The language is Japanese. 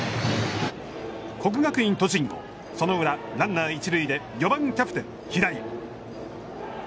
国学院栃木もその裏ランナー一塁で４番キャプテン平井。